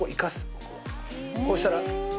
「こうしたら」